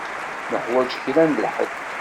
Nuḥwaǧ kra n ḥedd.